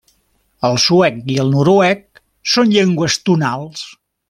El suec i el noruec són llengües tonals.